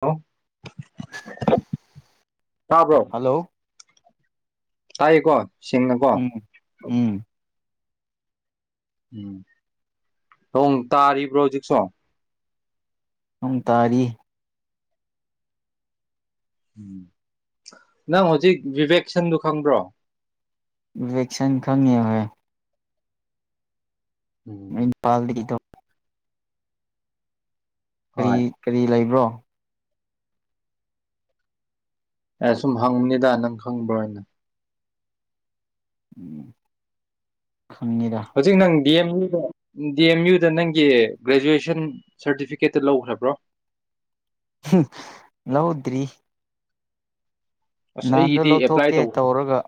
ꯍꯦꯜꯂ hello ꯇꯥꯏꯀꯣ ꯎꯝ ꯎꯝ ꯎꯝ ꯊꯣꯡ ꯇꯥꯔꯤꯕ꯭ꯔꯣ ꯍꯧꯖꯤꯛꯁꯨꯣ ꯑꯃ ꯇꯥꯔꯤ ꯎꯝ ꯅꯪ ꯍꯧꯖꯤꯛ ꯕꯤꯕꯦꯛꯁꯟꯗꯨ ꯈꯪꯕ꯭ꯔꯣ? ꯕꯤꯕꯦꯛꯁꯟ ꯈꯡ ꯉꯤ ꯫ ꯎꯝ [unintelligible] ꯍꯣꯏ ꯀꯔꯤ- ꯀꯔꯤ ꯂꯩꯕ꯭ꯔꯣ? [inaudible] ꯑꯦ ꯁꯨꯝ ꯍꯪꯕꯅꯤꯗ ꯅꯪ ꯈꯪꯕ꯭ꯔꯣꯅ꯫ ꯎꯝ꯫ ꯈꯪꯉꯤꯗ꯫ ꯍꯧꯖꯤꯛ ꯅꯪ ꯗꯤ ꯑꯦꯝ ꯌꯨꯗ ꯗꯤ ꯑꯦꯝ ꯌꯨꯗ ꯅꯪꯒꯤ ꯒ꯭ꯔꯦꯖꯨꯋꯦꯁꯟ ꯁꯥꯔꯇꯤꯐꯤꯀꯦꯠꯇ ꯂꯧꯈ꯭ꯔꯕ꯭ꯔꯣ? ꯂꯧꯗ꯭ꯔꯤ꯫ ꯑꯁ ꯅꯍꯥꯟꯗꯣ ꯑꯩꯒꯤꯗꯤ ꯑꯦꯄ꯭ꯂꯥꯏ ꯂꯧꯊꯣꯛꯀꯦ ꯇꯧꯈ꯭ꯔꯦ ꯇꯧꯔꯒ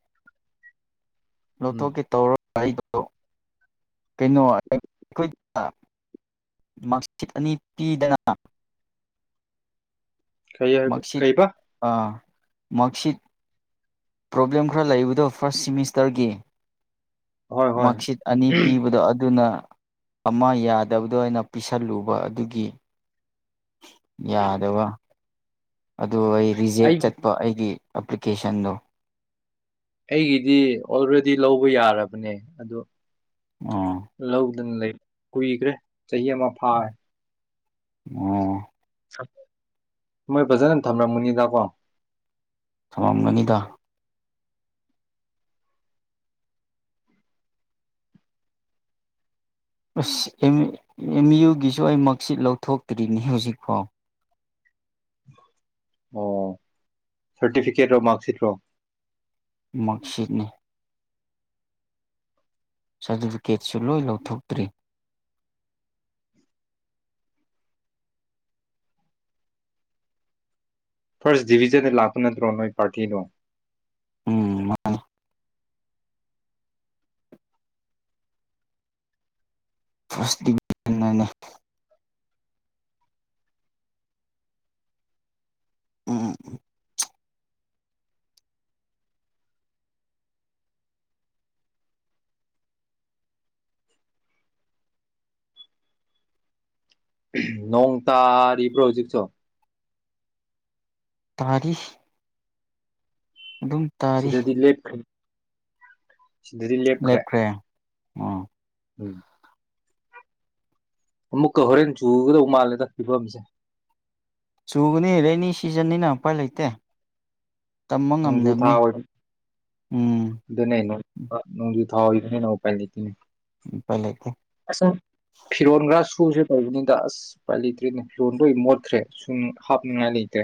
ꯎꯝ ꯂꯧꯊꯣꯛꯀꯦ ꯇꯧꯔꯣ ꯒꯥꯔꯤꯗꯣ ꯀꯩꯅꯣ ꯑꯩꯈꯣꯏ ꯃꯥꯔꯛꯁꯤꯠ ꯑꯅꯤ ꯄꯤꯗꯅ ꯀꯩ ꯍꯥꯏ ꯀꯩꯕ? ꯃꯛꯁꯤꯠ ꯄ꯭ꯔꯣꯕ꯭ꯂꯦꯝ ꯈꯔ ꯂꯩꯕꯗꯣ ꯐꯥꯔꯁ ꯁꯤꯃꯤꯁꯇꯔꯒꯤ꯫ ꯍꯣꯏ ꯍꯣꯏ ꯃꯥꯔꯛꯁꯤꯠ ꯑꯅꯤ ꯄꯤꯕꯗꯣ ꯑꯗꯨꯅ ꯑꯃ ꯌꯥꯗꯕꯗꯣ ꯑꯩꯅ ꯄꯤꯁꯜꯂꯨꯕ ꯑꯗꯨꯒꯤ꯫ ꯌꯥꯗꯕ꯫ ꯑꯗꯨ ꯑꯩ ꯔꯤꯖꯦꯛ ꯆꯠꯄ ꯑꯩꯒꯤ꯫ ꯑꯦꯄ꯭ꯂꯤꯀꯦꯁꯟꯗꯣ꯫ ꯑꯩꯒꯤꯗꯤ ꯑꯣꯜꯔꯦꯗꯤ ꯂꯧꯕ ꯌꯥꯔꯕꯅꯦ ꯑꯗꯣ ꯑꯣ ꯂꯧꯗꯅ ꯂꯩ꯫ ꯀꯨꯏꯈ꯭ꯔꯦ ꯆꯍꯤ ꯑꯃ ꯐꯥꯔꯦ꯫ ꯑꯣ꯫ ꯃꯣꯏ ꯐꯖꯅ ꯊꯝꯔꯝꯒꯅꯤꯗꯀꯣ꯫ ꯊꯃꯝꯒꯅꯤꯗ꯫ ꯑꯁ ꯑꯦꯝ ꯌꯨꯒꯤꯁꯨ ꯑꯩ ꯃꯥꯔꯛꯁꯤꯠ ꯂꯧꯊꯣꯛꯇ꯭ꯔꯤꯅꯤ ꯍꯧꯖꯤꯛꯐꯥꯎ꯫ ꯑꯣ ꯁꯥꯔꯇꯤꯐꯤꯀꯦꯠꯔꯣ ꯃꯥꯔꯛꯁꯤꯠ꯭ꯔꯣ? ꯃꯥꯔꯛꯁꯤꯠꯅꯤ ꯁꯥꯔꯇꯤꯐꯤꯀꯦꯠꯁꯨ ꯂꯣꯏ ꯂꯧꯊꯣꯛꯇ꯭ꯔꯤ꯫ ꯐꯥꯔꯁ ꯗꯤꯕꯤꯖꯟꯗ ꯂꯥꯛꯄ ꯅꯠꯇ꯭ꯔꯣ ꯅꯣꯏ ꯄꯥꯔꯇꯤꯗꯣ? ꯎꯝ ꯃꯥꯅꯦ꯫ ꯐꯥꯔꯁ ꯗꯤꯕꯤꯖꯟꯗꯅꯦ꯫ ꯎꯝ ꯎꯝ꯫ ꯅꯣꯡ ꯇꯥꯔꯤꯕ꯭ꯔꯣ ꯍꯧꯖꯤꯛꯁꯨ? ꯇꯥꯔꯤ꯫ ꯑꯗꯨꯝ ꯇꯥꯔꯤ ꯁꯤꯗꯗꯤ ꯂꯦꯞꯈꯔ꯭ꯦ ꯫ ꯂꯦꯞꯈ꯭ꯔꯦ ꯑꯣꯥ꯫ ꯎꯝ꯫ ꯑꯃꯨꯛꯀ ꯍꯣꯔꯦꯟ ꯆꯨꯒꯗꯧ ꯃꯥꯜꯂꯦꯗ ꯐꯤꯕꯝꯁꯦ ꯆꯨꯒꯅꯤ ꯔꯦꯅꯤ ꯁꯤꯖꯟꯅꯤꯅ ꯎꯄꯥꯏ ꯂꯩꯇꯦ ꯇꯝꯕ ꯅꫭꯡꯖꯨ ꯊꯥ ꯉꯝꯗꯕꯅꯤ ꯑꯣꯏ ꯎꯝ ꯑꯗꯨꯅꫭ ꯅꫭꯡꯖꯨ ꯊꯥ ꯊꯥ ꯑꫭꯏꯕꯅꯤꯅ ꯑꯨꯄꯥꯏ ꯂꯩꯇꯦꯅꯦ ꯎꯄꯥꯏ ꯂꯩꯇꯦ [unintelligible] ꯐꯤꯔꯣꯟꯈꯔ ꯁꯨꯁꯦ ꯑꯣꯏꯔꯤꯕꯅꯤꯗ ꯑꯁ ꯑꯨꯄꯥꯏ ꯂꯩꯇ꯭ꯔꯤꯅꯦ ꯃꯤꯔꫭꯟ ꯂꯣꯏ ꯃꯣꯠꯈ꯭ꯔꯦ ꯁꯨꯝ ꯍꯥꯞꯅꯤꯡꯉꯥꯏ ꯂꯩꯇ꯭ꯔꯦ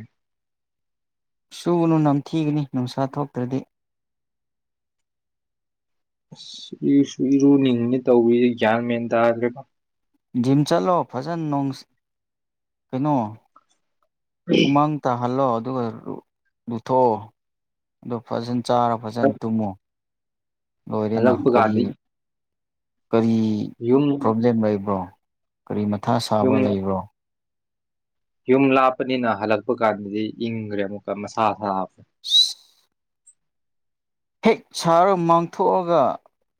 ꯁꯨꯒꯅꯨ ꯅꯝꯊꯤꯕꯅꯤ ꯅꯨꯡꯁꯥ ꯊꯣꯛꯇ꯭ꯔꯗꯤ ꯑꯁ ꯏꯁꯨ ꯏꯔꯨꯅꯤꯡꯉꯤ ꯇꯧꯕ [unintelligible] ꯒ꯭ꯌꯥꯟ ꯃꯦꯟ ꯇꯥꯔꯂꯦꯕ ꯖꯤꯝ ꯆꯠꯂꯣ ꯐꯖꯅ ꯅꯣꯡ ꯀꯩꯅꯣ ꯍꯨꯃꯥꯡꯇ ꯇꯥꯍꯜꯂꫭ ꯑꯗꯨꯒ ꯂꯨꯊꯣꯛꯑꯣ ꯑꯗꯨ ꯐꯖꯅ ꯆꯥꯔ ꯐꯖꯅ ꯇꯨꯝꯃꫭ ꯂꫭꯏꯔꯦꯅ ꯍꯜꯂꯛꯄ ꯀꯔꯤ ꯀꯥꯟꯗ ꯀꯔꯤ ꯌꯨꯝ ꯄ꯭ꯔꯣꯕ꯭ꯂꯦꯝ ꯂꯩꯕ꯭ꯔꯣ ꯀꯔꯤ ꯃꯊꯥ ꯌꯨꯝ ꯁꯥꯕ ꯂꯩꯕ꯭ꯔꯣ ꯌꯨꯝ ꯂꯥꯞꯄꯅꯤꯅ ꯍꯜꯂꯛꯄ ꯀꯥꯟꯗꯗꯤ ꯏꯪꯈ꯭ꯔꯦ ꯑꯃꯨꯛꯀ ꯃꯁꯥ ꯍꯦꯛ ꯁꯥꯔꯒ ꯍꯨꯃꯥꯡꯊꯣꯛꯑꯒ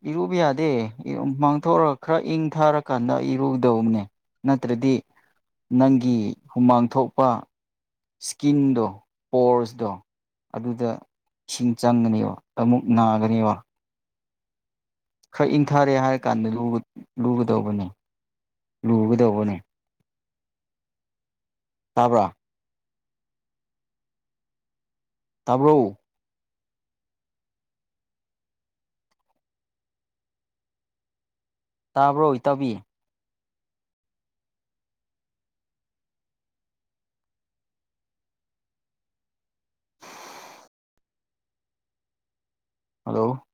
ꯏꯔꯨꯕ ꯌꯥꯗꯦ ꯍꯨꯃꯥꯡꯊꯣꯛꯑꯒ ꯈꯔ ꯏꯪ ꯊꯥꯔꯀꯥꯟꯗ ꯏꯔꯨꯗꯧꯕꯅꯦ ꯅꯠꯇ꯭ꯔꯗꯤ ꯅꯪꯒꯤ ꯍꯨꯃꯥꯡ ꯊꯣꯛꯄ ꯏꯁꯀꯤꯟꯗꯣ ꯄꯣꯔꯁꯇꯣ ꯑꯗꯨꯗ ꯏꯁꯤꯡ ꯆꯪꯒꯅꯦꯕ ꯑꯃꯨꯛ ꯅꯥꯒꯅꯦꯕ ꯈꯔ ꯏꯪꯊꯔꯦ ꯍꯥꯏꯔ ꯀꯥꯟꯗ ꯂꯨꯒꯗꯧꯕꯅꯦ ꯂꯨꯒꯗꯧꯕꯅꯦ ꯇꯥꯕ꯭ꯔ ꯇꯥꯕ꯭ꯔꯣ ꯇꯥꯕ꯭ꯔꯣꯏ ꯏꯇꯥꯎꯕꯤ ꯍꯜꯂꯣ